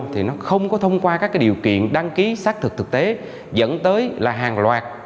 thì nó không có thông qua các điều kiện đăng ký xác thực thực tế dẫn tới là hàng loạt